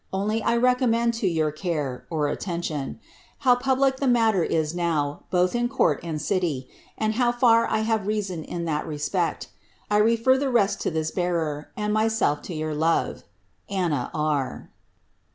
Only I recommend to your care (attention) how public tlie matter is now, both in court and city, and liow far I have reason in that respect I refer the rest to this bearer, and myself to your love, Aitita R."